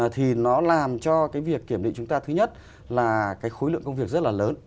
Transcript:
thì nó làm cho cái việc kiểm định chúng ta thứ nhất là cái khối lượng công việc rất là lớn